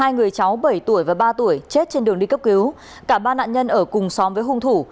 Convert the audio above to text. hai người cháu bảy tuổi và ba tuổi chết trên đường đi cấp cứu cả ba nạn nhân ở cùng xóm với hung thủ